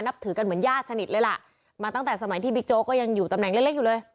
ถือกันเหมือนญาติสนิทเลยล่ะมาตั้งแต่สมัยที่บิ๊กโจ๊กก็ยังอยู่ตำแหน่งเล็กอยู่เลย